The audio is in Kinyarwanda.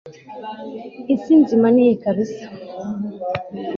isi nzima niyi kabisa